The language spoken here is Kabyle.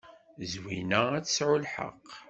Zwina ad tesɛu lḥeqq.